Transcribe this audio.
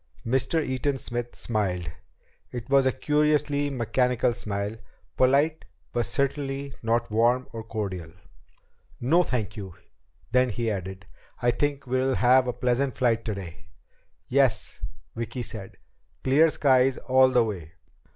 Mr. Eaton Smith smiled. It was a curiously mechanical smile polite but certainly not warm or cordial. "No, thank you." Then he added: "I think we'll have a pleasant flight today." "Yes," Vicki said. "Clear skies all the way.